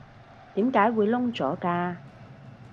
點解會燶咗㗎？